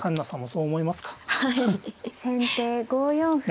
先手５四歩。